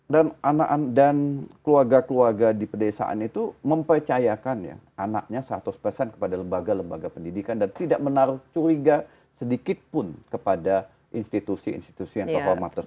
dan anak dan keluarga keluarga di pedesaan itu mempercayakan anaknya seratus kepada lembaga lembaga pendidikan dan tidak menaruh curiga sedikitpun kepada institusi institusi yang tokoh mata tersebut